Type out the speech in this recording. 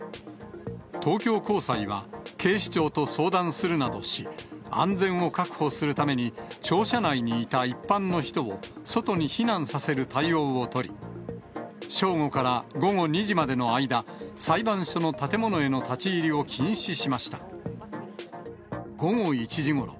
東京高裁は、警視庁と相談するなどし、安全を確保するために、庁舎内にいた一般の人を外に避難させる対応を取り、正午から午後２時までの間、裁判所の建物への立ち入りを禁止しました。